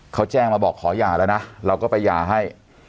เขาแจ้งมาบอกขอหย่าแล้วนะเราก็ไปหย่าให้